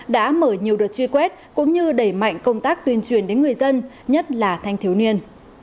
đã mở nhiều đợt truy quét cũng như đẩy mạnh công tác tuyên truyền đến người dân nhất là thanh thiếu niên